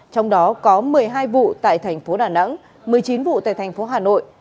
trong đó có một mươi hai vụ tại thành phố đà nẵng một mươi chín vụ tại thành phố hà nội